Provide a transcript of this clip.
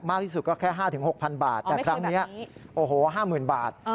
มากที่สุดก็แค่ห้าถึงหกพันบาทแต่ครั้งนี้โอ้โหห้าหมื่นบาท